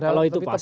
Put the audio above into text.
kalau itu pas